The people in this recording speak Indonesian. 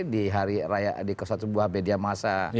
di hari raya di ketua sebuah bedia masa